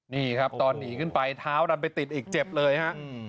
นี่ครับตอนหนีขึ้นไปเท้าดันไปติดอีกเจ็บเลยฮะ